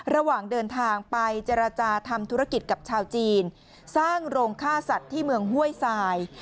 ระหว่างเดินทางไปเจรจาทำธุรกิจกับชาวจีนสร้างโรงฆ่าสัตว์ที่เมืองห้วยทราย